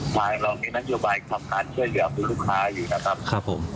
ภายลองมีนักยุบัตรความการเชื่อเหลือของคุณลูกค้าอยู่นะครับครับผม